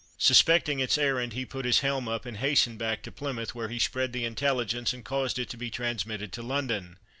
Suspecting its errand he put his helm up and hastened back to Plymouth, where he spread the intelligence and caused it to be transmitted to London.